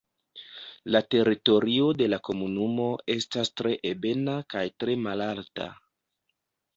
La teritorio de la komunumo estas tre ebena kaj tre malalta.